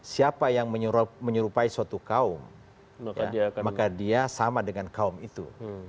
siapa yang menyerupai suatu kaum maka dia sama dengan kaum itu